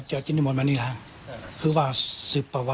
ข้าก็ดูกิริยาเรียบร้อย